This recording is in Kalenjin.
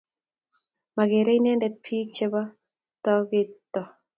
Mageerei Inendet bik che bo tengekto.